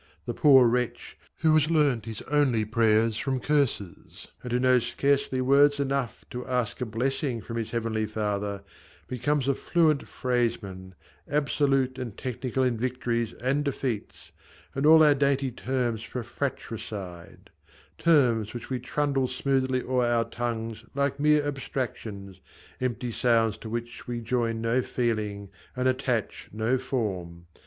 The poor wretch, who has learnt his only prayers From curses, and who knows scarcely words enough To ask a blessing from his Heavenly Father, Becomes a fluent phraseman, absolute And technical in victories and defeats, And all our dainty terms for fratricide ; Terms which we trundle smoothly o'er our tongues Like mere abstractions, empty sounds to which We join no feeling and attach no form